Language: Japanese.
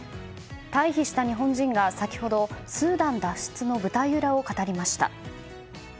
退避した日本人が先ほど、スーダン脱出の舞台裏を語りました。